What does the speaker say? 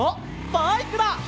バイクだ！